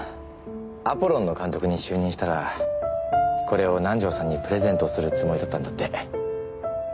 アポロンの監督に就任したらこれを南条さんにプレゼントするつもりだったんだって。